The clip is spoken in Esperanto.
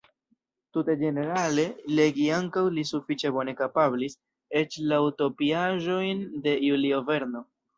Tute ĝenerale legi ankaŭ li sufiĉe bone kapablis, eĉ la utopiaĵojn de Julio Verno.